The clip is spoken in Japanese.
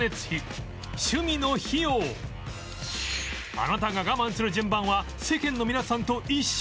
あなたが我慢する順番は世間の皆さんと一緒？